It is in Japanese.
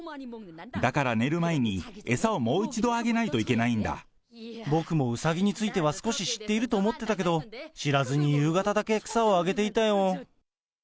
だから寝る前に、餌をもう一度あげ僕もうさぎについては少し知ってると思ってたけど、知らずに夕方だけ草をあげていたよ。